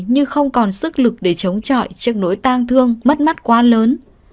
nhưng không còn sức lực để chống trọi trước nỗi tang thương mất mắt quá lớn